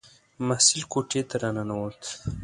محصل کوټې ته را ننووت.